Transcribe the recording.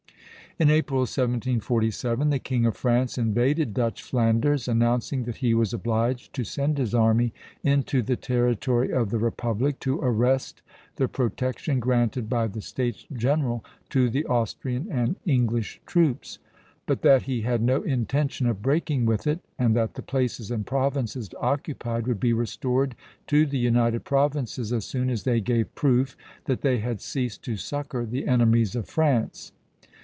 In April, 1747, "the King of France invaded Dutch Flanders, announcing that he was obliged to send his army into the territory of the republic, to arrest the protection granted by the States General to the Austrian and English troops; but that he had no intention of breaking with it, and that the places and provinces occupied would be restored to the United Provinces as soon as they gave proof that they had ceased to succor the enemies of France."